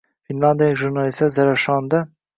Finlandiyalik jurnalistlar Zarafshondang